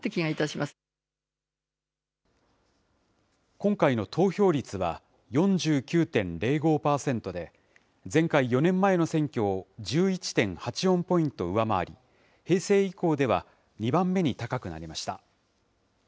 今回の投票率は４９．０５％で、前回・４年前の選挙を１１．８４ポイント上回り、平成以降では２番目に高くなりました。